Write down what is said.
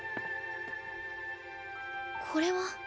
これは。